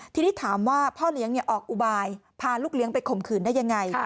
ทีนี้ถามว่าพ่อเลี้ยงออกอุบายพาลูกเลี้ยงไปข่มขืนได้ยังไง